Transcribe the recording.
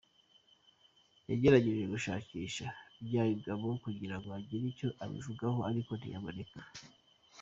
yagerageje gushakisha Mbyayingabo kugira ngo agire icyo abivugaho ariko ntiyaboneka.